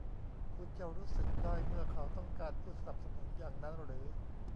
คุณจะรู้สึกได้เมื่อเขาต้องการผู้สนับสนุนอย่างนั้นหรือ ?